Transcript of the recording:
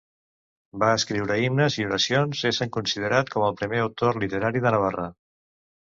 Va escriure himnes i oracions, essent considerat com el primer autor literari de Navarra.